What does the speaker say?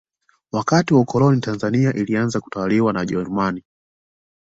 wakati wa ukoloni tanzania ilianza kutawaliwa na wajerumani